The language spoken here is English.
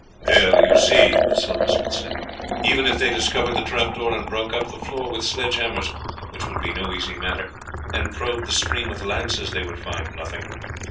"There you see," the silversmith said, "even if they discovered the trap door and broke up the floor with sledgehammers, which would be no easy matter, and probed the stream with lances, they would find nothing.